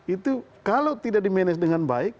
itu kalau tidak di manage dengan baik